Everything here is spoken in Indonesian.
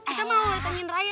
kita mau ditanyain raya